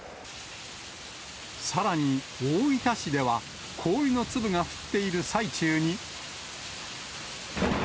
さらに大分市では、氷の粒が降っている最中に。